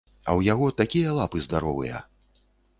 А ў яго такія лапы здаровыя.